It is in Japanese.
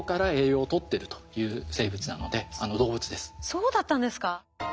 そうだったんですか。